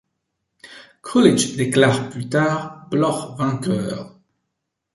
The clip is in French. Coolidge déclare plus tard Bloch vainqueur.